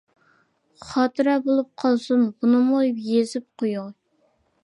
خاتىرە بولۇپ قالسۇن، بۇنىمۇ يېزىپ قوياي.